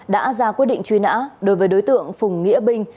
đã ra quyết định truy nã đối với đối tượng phùng nghĩa binh